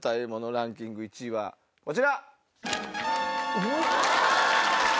ランキング１位はこちら！